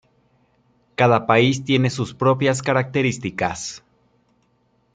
Cada país tiene sus propias características.